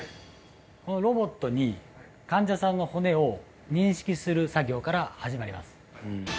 このロボットに患者さんの骨を認識する作業から始まります